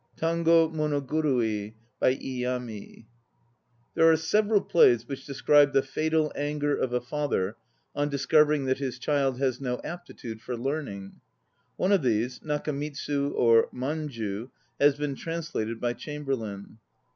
TANGO MONOGURUI By I A M I THERE are several plays which describe the fatal anger of a father on discovering that his child has no aptitude for learning. One of these, Nakamitsu or Manju, has been translated by Chamberlain.